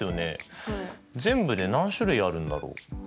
全部で何種類あるんだろう。